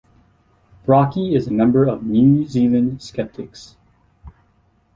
Brockie is a member of New Zealand Skeptics.